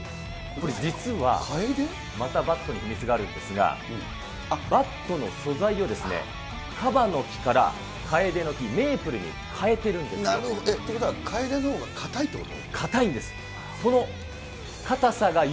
これ実は、またバットに秘密があるんですが、バットの素材をですね、かばの木からかえでの木、メイプルに変えてるんですよ。ということはカエデのほうがかたいということ？